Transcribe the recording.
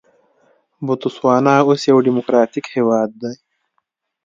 بوتسوانا اوس یو ډیموکراټیک هېواد دی.